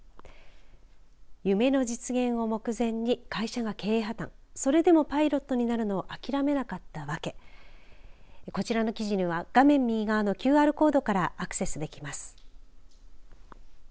夢の実現を目前に会社が経営破綻それでもパイロットになるのを諦めなかったワケこちらの記事には画面右側のＱＲコードからアクセスできます。